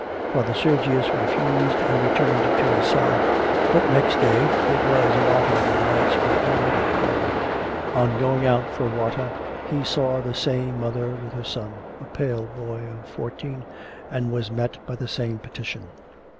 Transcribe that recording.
Father Sergius refused and returned to his cell. But next day (it was in autumn and the nights were already cold) on going out for water he saw the same mother with her son, a pale boy of fourteen, and was met by the same petition.